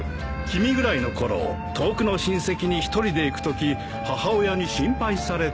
君ぐらいのころ遠くの親戚に１人で行くとき母親に心配されてね。